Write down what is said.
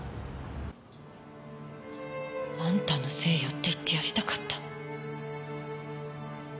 あんたのせいよって言ってやりたかった。